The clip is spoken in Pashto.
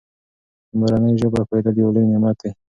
په مورنۍ ژبه پوهېدل یو لوی نعمت دی.